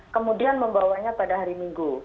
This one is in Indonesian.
kemudian membawanya pada hari minggu